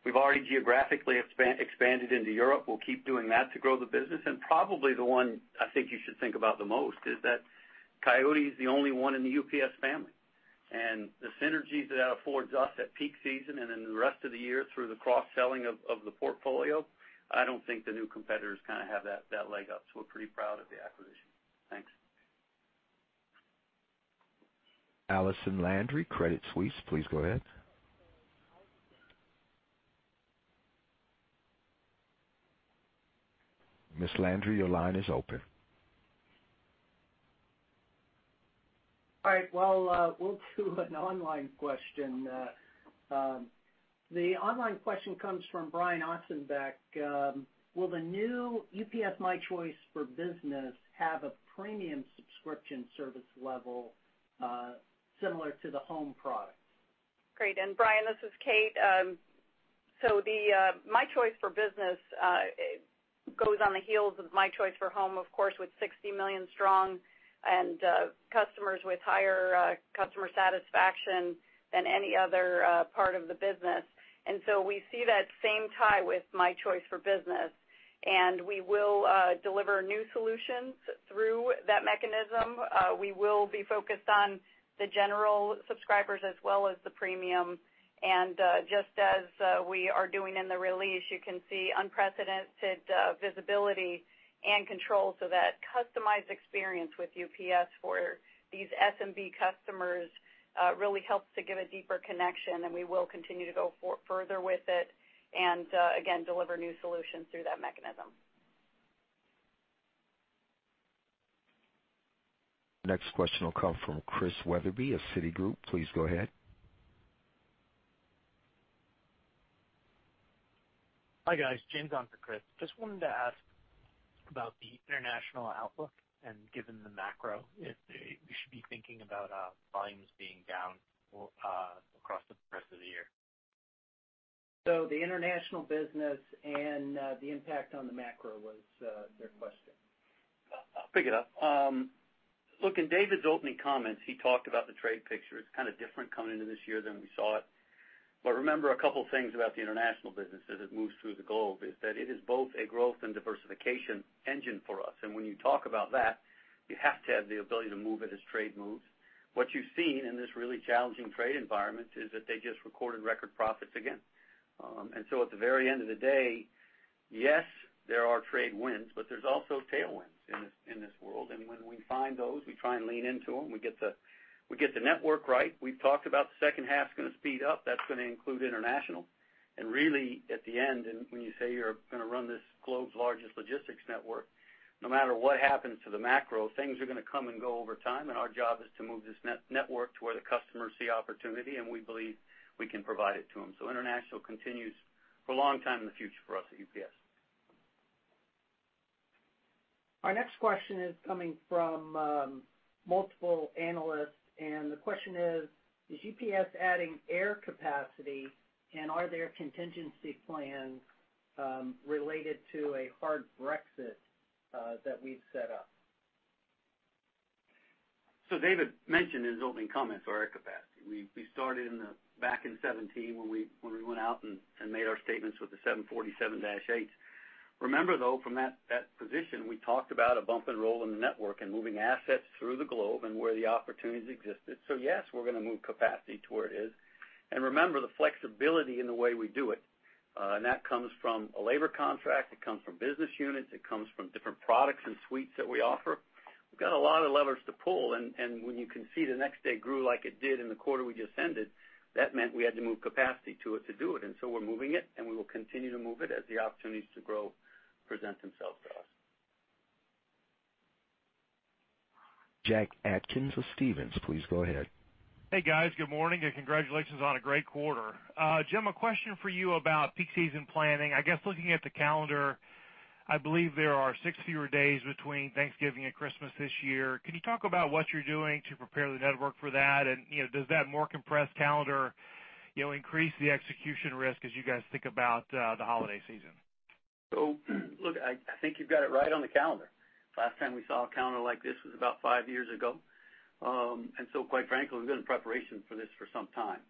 We've already geographically expanded into Europe. We'll keep doing that to grow the business. Probably the one I think you should think about the most is that Coyote is the only one in the UPS family. The synergies that affords us at peak season and in the rest of the year through the cross-selling of the portfolio, I don't think the new competitors have that leg up. We're pretty proud of the acquisition. Thanks. Allison Landry, Credit Suisse, please go ahead. Ms. Landry, your line is open. All right. Well, we'll do an online question. The online question comes from Brian Ossenbeck. Will the new UPS My Choice for business have a premium subscription service level similar to the home product? Great. Brian, this is Kate. The My Choice for business goes on the heels of My Choice for home, of course, with 60 million strong and customers with higher customer satisfaction than any other part of the business. We see that same tie with My Choice for business, and we will deliver new solutions through that mechanism. We will be focused on the general subscribers as well as the premium. Just as we are doing in the release, you can see unprecedented visibility and control. That customized experience with UPS for these SMB customers really helps to give a deeper connection, and we will continue to go further with it and again, deliver new solutions through that mechanism. Next question will come from Chris Wetherbee of Citigroup. Please go ahead. Hi, guys. Jim on for Chris. Just wanted to ask about the international outlook and given the macro, if we should be thinking about volumes being down across the rest of the year. The international business and the impact on the macro was their question. I'll pick it up. Look, in David's opening comments, he talked about the trade picture. It's kind of different coming into this year than we saw it. Remember a couple of things about the international business as it moves through the globe is that it is both a growth and diversification engine for us. When you talk about that, you have to have the ability to move it as trade moves. What you've seen in this really challenging trade environment is that they just recorded record profits again. At the very end of the day, yes, there are trade winds, but there's also tailwinds in this world. When we find those, we try and lean into them. We get the network right. We've talked about the second half's going to speed up. That's going to include international. Really at the end, and when you say you're going to run this globe's largest logistics network, no matter what happens to the macro, things are going to come and go over time, and our job is to move this network to where the customers see opportunity, and we believe we can provide it to them. International continues for a long time in the future for us at UPS. Our next question is coming from multiple analysts, and the question is: Is UPS adding air capacity? Are there contingency plans related to a hard Brexit that we've set up? David mentioned in his opening comments our air capacity. We started back in 2017 when we went out and made our statements with the 747-8s. Remember, though, from that position, we talked about a bump and roll in the network and moving assets through the globe and where the opportunities existed. Yes, we're going to move capacity to where it is. Remember the flexibility in the way we do it. That comes from a labor contract, it comes from business units, it comes from different products and suites that we offer. We've got a lot of levers to pull, and when you can see the next day grew like it did in the quarter we just ended, that meant we had to move capacity to it to do it. We're moving it, and we will continue to move it as the opportunities to grow present themselves to us. Jack Atkins with Stephens. Please go ahead. Hey, guys. Good morning, and congratulations on a great quarter. Jim, a question for you about peak season planning. I guess looking at the calendar, I believe there are six fewer days between Thanksgiving and Christmas this year. Can you talk about what you're doing to prepare the network for that? Does that more compressed calendar increase the execution risk as you guys think about the holiday season? Look, I think you've got it right on the calendar. Last time we saw a calendar like this was about five years ago. Quite frankly, we've been in preparation for this for some time.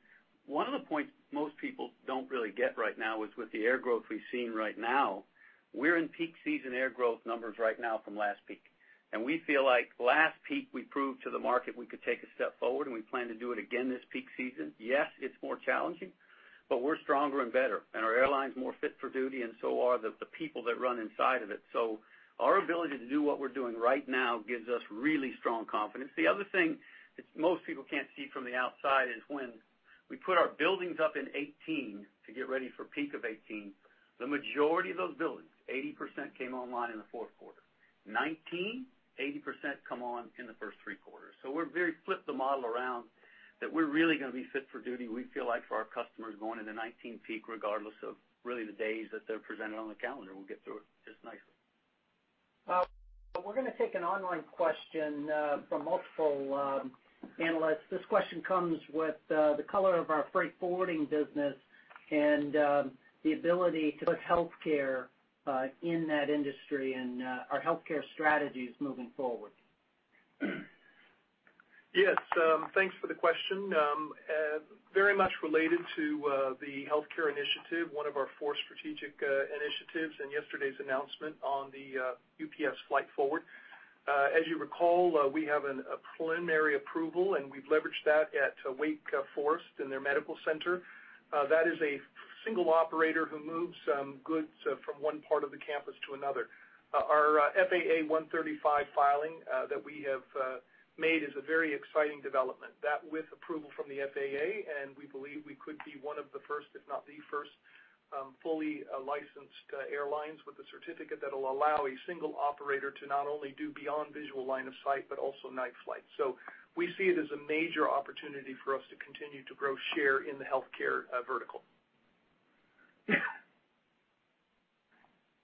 One of the points most people don't really get right now is with the air growth we've seen right now, we're in Peak Season air growth numbers right now from last Peak. We feel like last Peak we proved to the market we could take a step forward, and we plan to do it again this Peak Season. Yes, it's more challenging, but we're stronger and better, and our airline's more fit for duty and so are the people that run inside of it. Our ability to do what we're doing right now gives us really strong confidence. The other thing that most people can't see from the outside is when we put our buildings up in 2018 to get ready for peak of 2018, the majority of those buildings, 80%, came online in the fourth quarter. 2019, 80% come on in the first three quarters. We've very flipped the model around that we're really going to be fit for duty, we feel like, for our customers going into the 2019 peak, regardless of really the days that they're presented on the calendar. We'll get through it just nicely. We're going to take an online question from multiple analysts. This question comes with the color of our freight forwarding business and the ability to put healthcare in that industry and our healthcare strategies moving forward. Yes, thanks for the question. Very much related to the healthcare initiative, one of our four strategic initiatives in yesterday's announcement on the UPS Flight Forward. As you recall, we have a preliminary approval, and we've leveraged that at Wake Forest in their medical center. That is a single operator who moves goods from one part of the campus to another. Our FAA 135 filing that we have made is a very exciting development. That, with approval from the FAA, and we believe we could be one of the first, if not the first, fully licensed airlines with a certificate that'll allow a single operator to not only do beyond visual line of sight but also night flights. We see it as a major opportunity for us to continue to grow share in the healthcare vertical.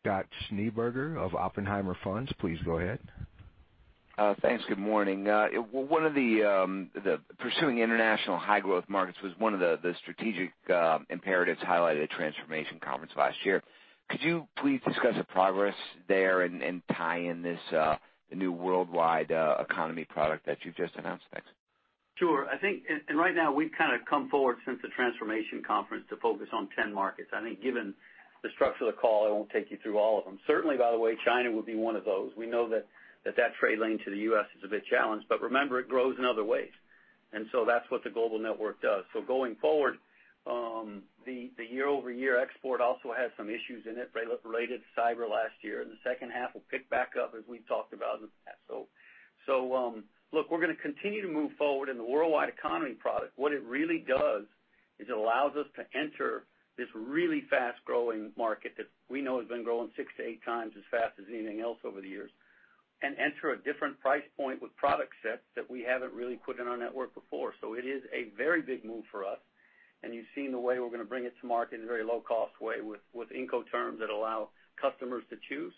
Scott Schneeberger of Oppenheimer Funds, please go ahead. Thanks. Good morning. Pursuing international high-growth markets was one of the strategic imperatives highlighted at Transformation Conference last year. Could you please discuss the progress there and tie in this new UPS Worldwide Economy product that you've just announced? Thanks. Sure. I think, right now we've kind of come forward since the Transformation Conference to focus on 10 markets. I think given the structure of the call, I won't take you through all of them. Certainly, by the way, China would be one of those. We know that that trade lane to the U.S. is a bit challenged, but remember, it grows in other ways. That's what the global network does. Going forward, the year-over-year export also had some issues in it related to cyber last year. In the second half, we'll pick back up as we've talked about in the past. Look, we're going to continue to move forward in the UPS Worldwide Economy product. What it really does is it allows us to enter this really fast-growing market that we know has been growing six to eight times as fast as anything else over the years and enter a different price point with product sets that we haven't really put in our network before. It is a very big move for us, and you've seen the way we're going to bring it to market in a very low-cost way with Incoterms that allow customers to choose.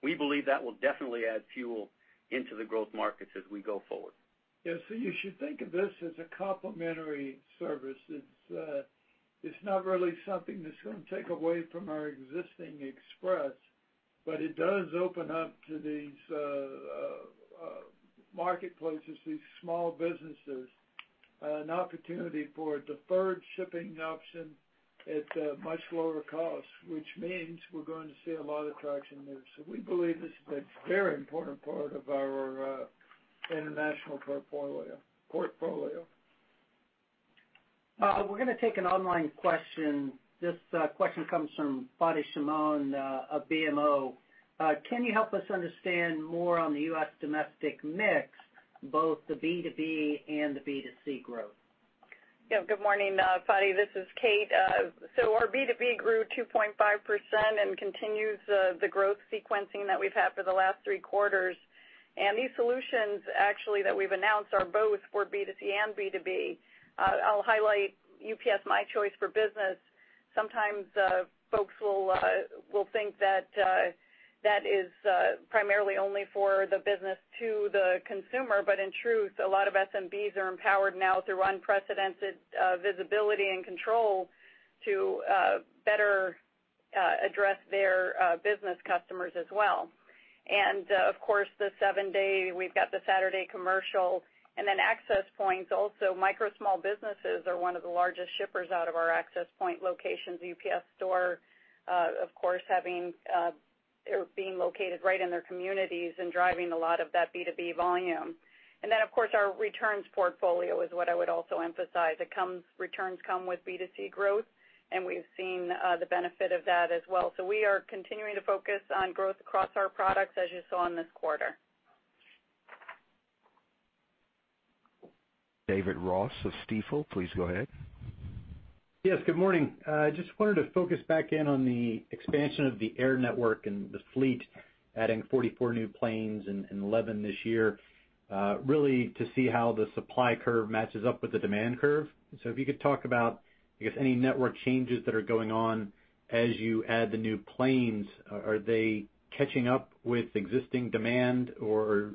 We believe that will definitely add fuel into the growth markets as we go forward. Yeah. You should think of this as a complimentary service. It's not really something that's going to take away from our existing Express, but it does open up to these marketplaces, these small businesses, an opportunity for a deferred shipping option at a much lower cost, which means we're going to see a lot of traction there. We believe this is a very important part of our international portfolio. We're going to take an online question. This question comes from Fadi Chamoun of BMO. Can you help us understand more on the U.S. domestic mix, both the B2B and the B2C growth? Good morning, Fadi. This is Kate. Our B2B grew 2.5% and continues the growth sequencing that we've had for the last three quarters. These solutions actually that we've announced are both for B2C and B2B. I'll highlight UPS My Choice for business. Sometimes folks will think that that is primarily only for the business to the consumer. In truth, a lot of SMBs are empowered now through unprecedented visibility and control to better address their business customers as well. Of course, the seven-day, we've got the Saturday commercial and then Access Point. Micro small businesses are one of the largest shippers out of our Access Point locations, UPS Store, of course, being located right in their communities and driving a lot of that B2B volume. Then, of course, our returns portfolio is what I would also emphasize. Returns come with B2C growth, and we've seen the benefit of that as well. We are continuing to focus on growth across our products as you saw in this quarter. David Ross of Stifel, please go ahead. Yes, good morning. Just wanted to focus back in on the expansion of the air network and the fleet adding 44 new planes and 11 this year really to see how the supply curve matches up with the demand curve. If you could talk about, I guess, any network changes that are going on as you add the new planes. Are they catching up with existing demand, or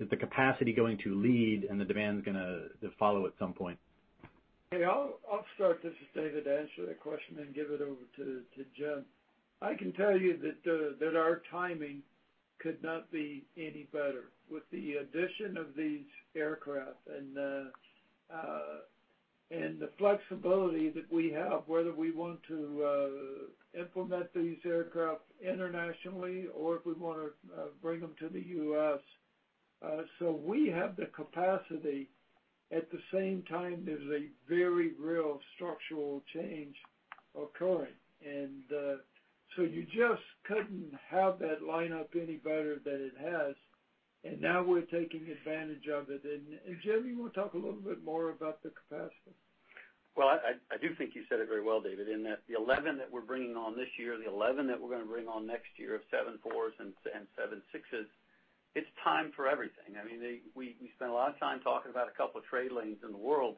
is the capacity going to lead and the demand's going to follow at some point? Hey, I'll start this, David, to answer that question and give it over to Jim. I can tell you that our timing could not be any better. With the addition of these aircraft and the flexibility that we have, whether we want to implement these aircraft internationally or if we want to bring them to the U.S. We have the capacity. At the same time, there's a very real structural change occurring. You just couldn't have that line up any better than it has, and now we're taking advantage of it. Jim, you want to talk a little bit more about the capacity? Well, I do think you said it very well, David, in that the 11 that we're bringing on this year, the 11 that we're going to bring on next year of 747s and 767s, it's time for everything. We spent a lot of time talking about a couple of trade lanes in the world,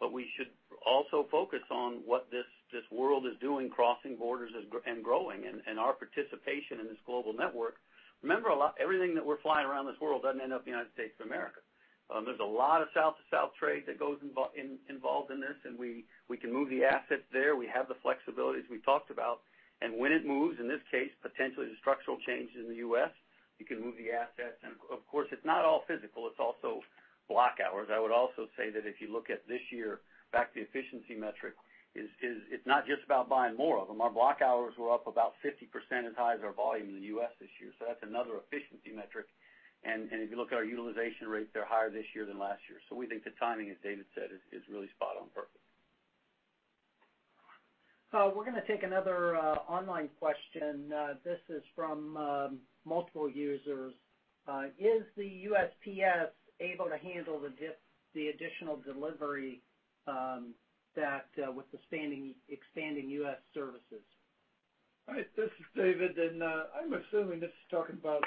but we should also focus on what this world is doing, crossing borders and growing, and our participation in this global network. Remember, everything that we're flying around this world doesn't end up in the United States of America. There's a lot of south-to-south trade that goes involved in this, and we can move the assets there. We have the flexibilities we talked about. When it moves, in this case, potentially the structural changes in the U.S., we can move the assets. Of course, it's not all physical, it's also block hours. I would also say that if you look at this year, back to the efficiency metric, it's not just about buying more of them. Our block hours were up about 50% as high as our volume in the U.S. this year. That's another efficiency metric. If you look at our utilization rates, they're higher this year than last year. We think the timing, as David said, is really spot on perfect. We're going to take another online question. This is from multiple users. Is the USPS able to handle the additional delivery with expanding U.S. services? All right. This is David, I'm assuming this is talking about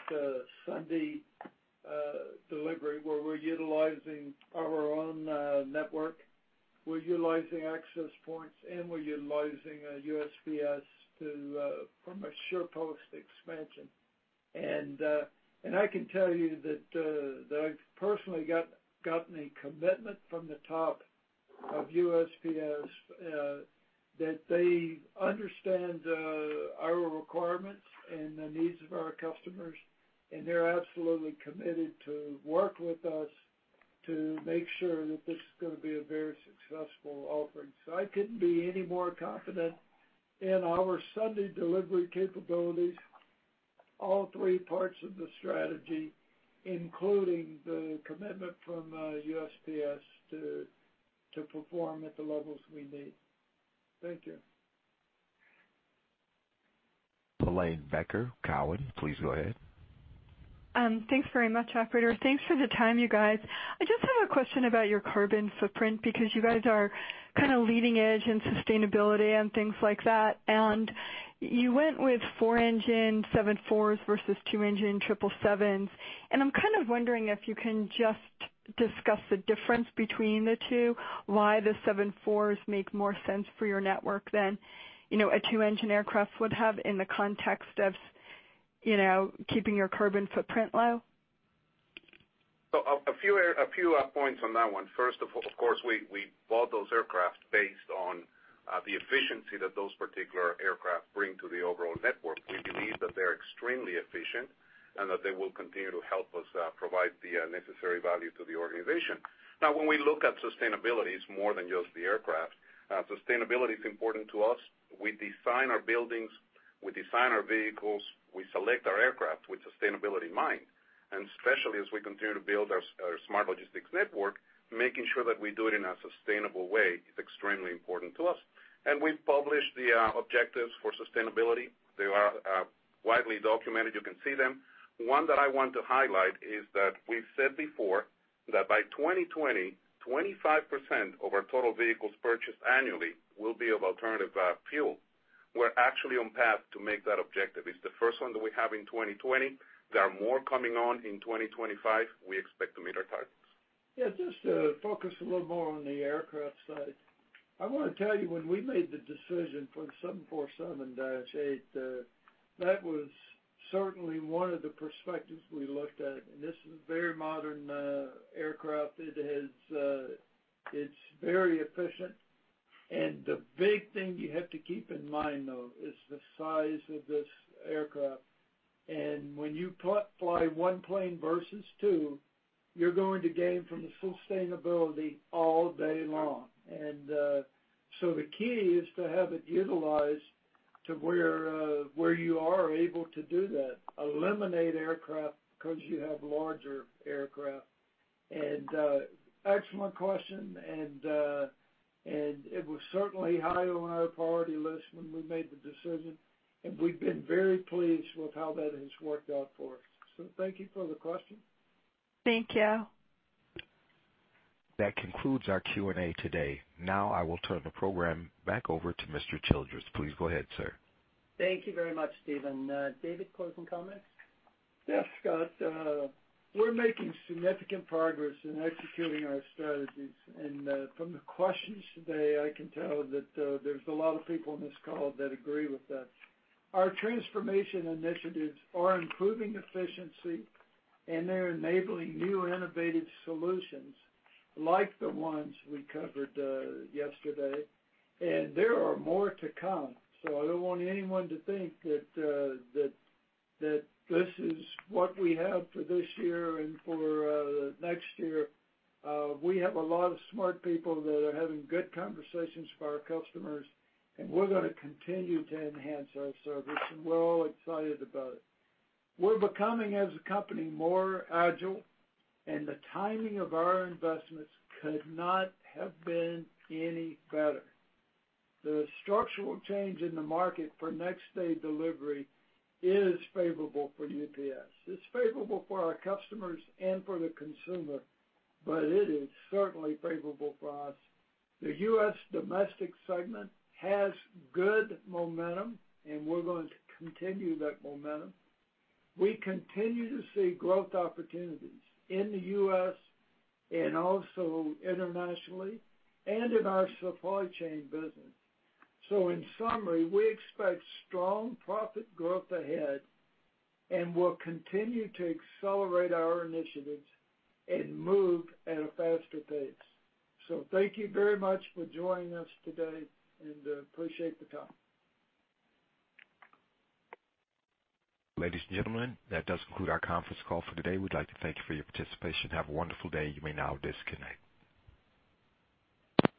Sunday delivery, where we're utilizing our own network. We're utilizing Access Points, and we're utilizing USPS from a SurePost expansion. I can tell you that I've personally gotten a commitment from the top of USPS that they understand our requirements and the needs of our customers, and they're absolutely committed to work with us to make sure that this is going to be a very successful offering. I couldn't be any more confident in our Sunday delivery capabilities, all three parts of the strategy, including the commitment from USPS to perform at the levels we need. Thank you. Helane Becker, Cowen, please go ahead. Thanks very much, operator. Thanks for the time, you guys. I just have a question about your carbon footprint, because you guys are kind of leading edge in sustainability and things like that. You went with four-engine 747s versus two-engine 777s. I'm kind of wondering if you can just discuss the difference between the two, why the 747s make more sense for your network than a two-engine aircraft would have in the context of keeping your carbon footprint low. A few points on that one. First of all, of course, we bought those aircraft based on the efficiency that those particular aircraft bring to the overall network. We believe that they're extremely efficient and that they will continue to help us provide the necessary value to the organization. When we look at sustainability, it's more than just the aircraft. Sustainability is important to us. We design our buildings, we design our vehicles, we select our aircraft with sustainability in mind. Especially as we continue to build our Smart Global Logistics Network, making sure that we do it in a sustainable way is extremely important to us. We've published the objectives for sustainability. They are widely documented. You can see them. One that I want to highlight is that we've said before that by 2020, 25% of our total vehicles purchased annually will be of alternative fuel. We're actually on path to make that objective. It's the first one that we have in 2020. There are more coming on in 2025. We expect to meet our targets. Yeah, just to focus a little more on the aircraft side. I want to tell you, when we made the decision for the 747-8, that was certainly one of the perspectives we looked at. This is a very modern aircraft. It's very efficient. The big thing you have to keep in mind, though, is the size of this aircraft. When you fly one plane versus two, you're going to gain from the sustainability all day long. The key is to have it utilized to where you are able to do that. Eliminate aircraft because you have larger aircraft. Excellent question. It was certainly high on our priority list when we made the decision, and we've been very pleased with how that has worked out for us. Thank you for the question. Thank you. That concludes our Q&A today. Now I will turn the program back over to Mr. Childress. Please go ahead, sir. Thank you very much, Steven. David, closing comments? Yes, Scott. We're making significant progress in executing our strategies. From the questions today, I can tell that there's a lot of people on this call that agree with that. Our transformation initiatives are improving efficiency, and they're enabling new innovative solutions like the ones we covered yesterday. There are more to come. I don't want anyone to think that this is what we have for this year and for next year. We have a lot of smart people that are having good conversations with our customers, and we're going to continue to enhance our service, and we're all excited about it. We're becoming, as a company, more agile, and the timing of our investments could not have been any better. The structural change in the market for next-day delivery is favorable for UPS. It's favorable for our customers and for the consumer. It is certainly favorable for us. The U.S. domestic segment has good momentum. We're going to continue that momentum. We continue to see growth opportunities in the U.S. and also internationally and in our supply chain business. In summary, we expect strong profit growth ahead. We'll continue to accelerate our initiatives and move at a faster pace. Thank you very much for joining us today. Appreciate the time. Ladies and gentlemen, that does conclude our conference call for today. We'd like to thank you for your participation. Have a wonderful day. You may now disconnect.